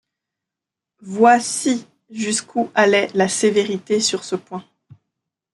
Voici jusqu’où allait la sévérité sur ce point.